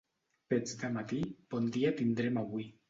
Pets de matí, bon dia tindrem avui.